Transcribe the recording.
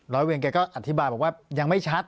ร้อยเวรแกก็อธิบายบอกว่ายังไม่ชัด